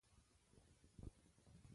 زده کړه د معلوماتو ټولول نه دي